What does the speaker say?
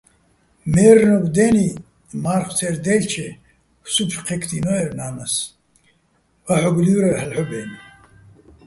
მაჲრნობ დე́ნი, მა́რხო̆ ცე́რ დაჲლ'ჩე სუფრ ქჵექდინო́ერ ნა́ნას, ვაჰ̦ოგო̆ ლი́ვრალო̆, ჰ̦ალო̆ ჰ̦ობ-აჲნო̆.